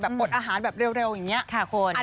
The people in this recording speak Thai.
อาจจะพร้อมเร็วนะครับ